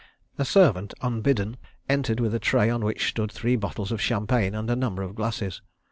A servant, unbidden, entered with a tray on which stood three bottles of champagne and a number of glasses.